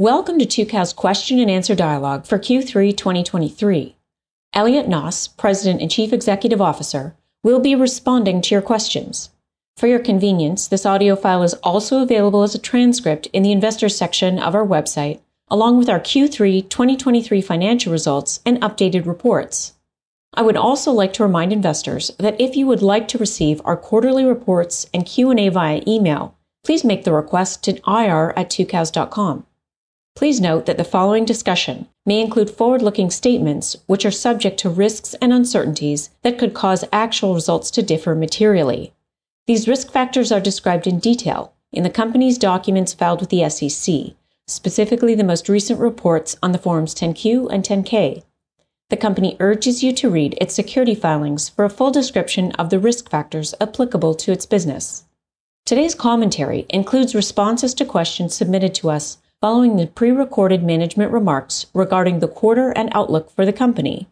Welcome to Tucows question and answer dialogue for Q3 2023. Elliot Noss, President and Chief Executive Officer, will be responding to your questions. For your convenience, this audio file is also available as a transcript in the investors section of our website, along with our Q3 2023 financial results and updated reports. I would also like to remind investors that if you would like to receive our quarterly reports and Q&A via email, please make the request to ir@tucows.com. Please note that the following discussion may include forward-looking statements, which are subject to risks and uncertainties that could cause actual results to differ materially. These risk factors are described in detail in the company's documents filed with the SEC, specifically the most recent reports on the Forms 10-Q and 10-K. The company urges you to read its security filings for a full description of the risk factors applicable to its business. Today's commentary includes responses to questions submitted to us following the prerecorded management remarks regarding the quarter and outlook for the company.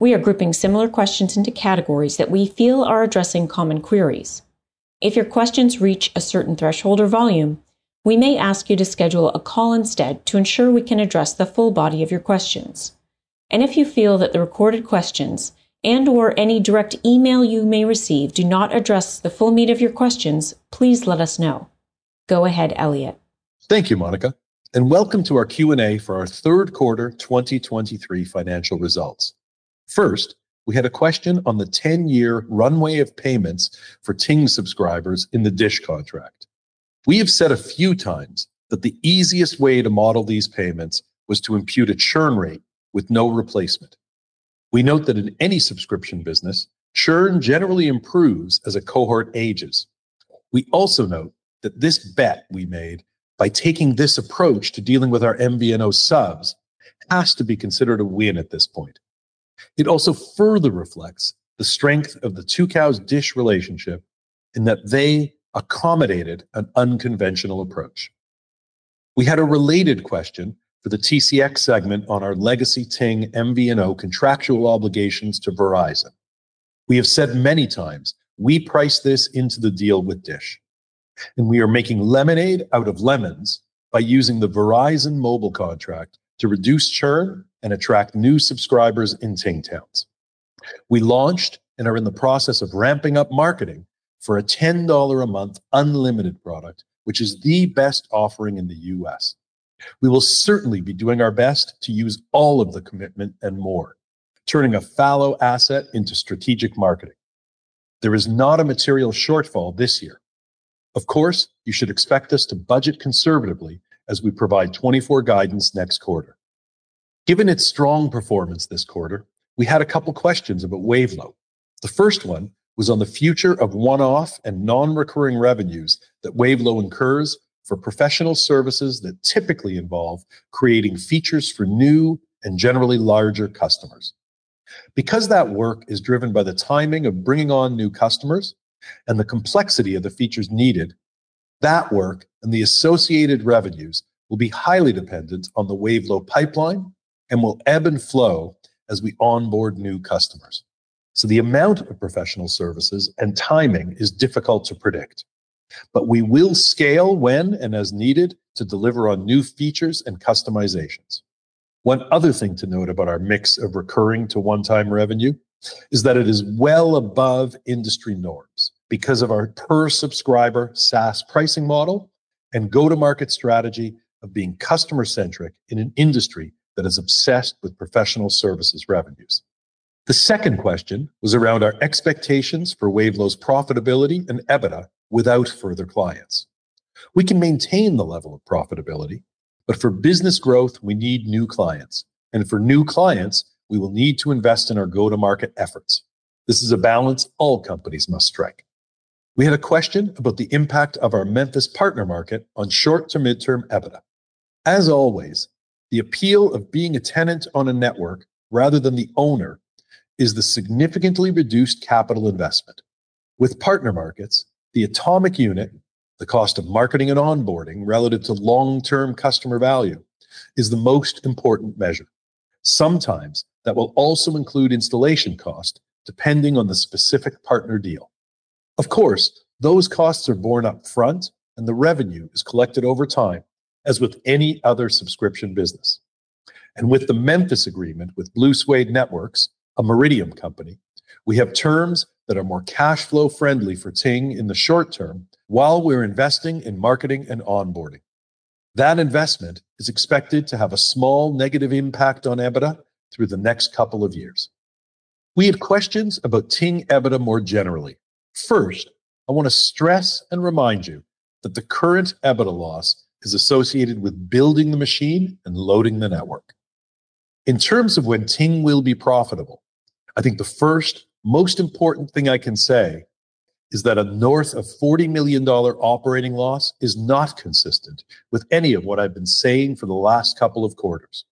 We are grouping similar questions into categories that we feel are addressing common queries. If your questions reach a certain threshold or volume, we may ask you to schedule a call instead to ensure we can address the full body of your questions. If you feel that the recorded questions and/or any direct email you may receive do not address the full meat of your questions, please let us know. Go ahead, Elliot. Thank you, Monica, and welcome to our Q&A for our Q3 2023 financial results. First, we had a question on the 10-year runway of payments for Ting subscribers in the DISH contract. We have said a few times that the easiest way to model these payments was to impute a churn rate with no replacement. We note that in any subscription business, churn generally improves as a cohort ages. We also note that this bet we made by taking this approach to dealing with our MVNO subs has to be considered a win at this point. It also further reflects the strength of the Tucows-DISH relationship in that they accommodated an unconventional approach. We had a related question for the TCX segment on our legacy Ting MVNO contractual obligations to Verizon. We have said many times we priced this into the deal with DISH, and we are making lemonade out of lemons by using the Verizon mobile contract to reduce churn and attract new subscribers in Ting towns. We launched and are in the process of ramping up marketing for a $10 a month unlimited product, which is the best offering in the U.S. We will certainly be doing our best to use all of the commitment and more, turning a fallow asset into strategic marketing. There is not a material shortfall this year. Of course, you should expect us to budget conservatively as we provide 2024 guidance next quarter. Given its strong performance this quarter, we had a couple questions about Wavelo. The first one was on the future of one-off and non-recurring revenues that Wavelo incurs for professional services that typically involve creating features for new and generally larger customers. Because that work is driven by the timing of bringing on new customers and the complexity of the features needed, that work and the associated revenues will be highly dependent on the Wavelo pipeline and will ebb and flow as we onboard new customers. So the amount of professional services and timing is difficult to predict, but we will scale when and as needed to deliver on new features and customizations. One other thing to note about our mix of recurring to one-time revenue is that it is well above industry norms because of our per-subscriber SaaS pricing model and go-to-market strategy of being customer-centric in an industry that is obsessed with professional services revenues. The second question was around our expectations for Wavelo's profitability and EBITDA without further clients. We can maintain the level of profitability, but for business growth, we need new clients, and for new clients, we will need to invest in our go-to-market efforts. This is a balance all companies must strike. We had a question about the impact of our Memphis partner market on short to midterm EBITDA. As always, the appeal of being a tenant on a network rather than the owner is the significantly reduced capital investment. With partner markets, the atomic unit, the cost of marketing and onboarding relative to long-term customer value, is the most important measure. Sometimes that will also include installation cost, depending on the specific partner deal. Of course, those costs are borne upfront, and the revenue is collected over time, as with any other subscription business. With the Memphis agreement with Blue Suede Networks, a Meridiam company, we have terms that are more cash flow friendly for Ting in the short term, while we're investing in marketing and onboarding. That investment is expected to have a small negative impact on EBITDA through the next couple of years. We had questions about Ting EBITDA more generally. First, I want to stress and remind you that the current EBITDA loss is associated with building the machine and loading the network. In terms of when Ting will be profitable, I think the first, most important thing I can say is that a north of $40 million operating loss is not consistent with any of what I've been saying for the last couple of quarters.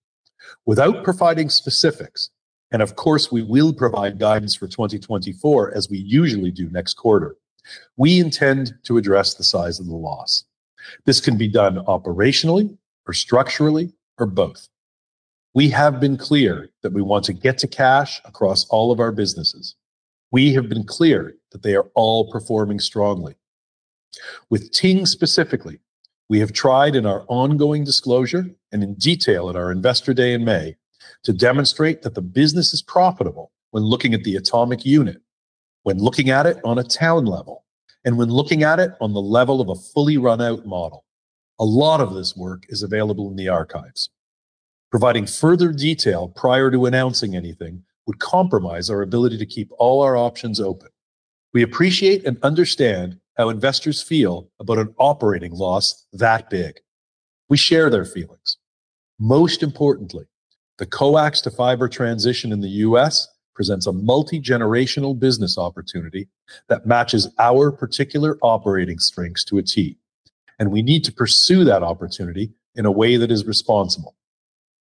Without providing specifics, and of course, we will provide guidance for 2024, as we usually do next quarter, we intend to address the size of the loss. This can be done operationally or structurally or both. We have been clear that we want to get to cash across all of our businesses. We have been clear that they are all performing strongly. With Ting specifically, we have tried in our ongoing disclosure and in detail at our Investor Day in May to demonstrate that the business is profitable when looking at the atomic unit, when looking at it on a town level, and when looking at it on the level of a fully run-out model. A lot of this work is available in the archives. Providing further detail prior to announcing anything would compromise our ability to keep all our options open. We appreciate and understand how investors feel about an operating loss that big. We share their feelings. Most importantly, the coax to fiber transition in the U.S. presents a multigenerational business opportunity that matches our particular operating strengths to a T, and we need to pursue that opportunity in a way that is responsible.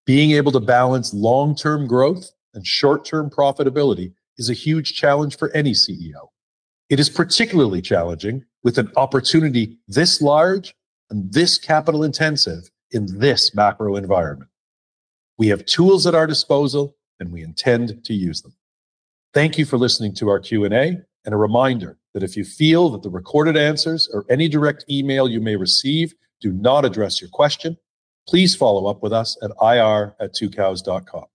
Being able to balance long-term growth and short-term profitability is a huge challenge for any CEO. It is particularly challenging with an opportunity this large and this capital intensive in this macro environment. We have tools at our disposal, and we intend to use them. Thank you for listening to our Q&A, and a reminder that if you feel that the recorded answers or any direct email you may receive do not address your question, please follow up with us at ir@tucows.com.